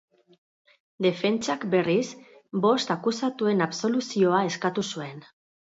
Defentsak, berriz, bost akusatuen absoluzioa eskatu zuen.